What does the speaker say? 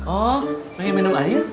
oh pengen minum air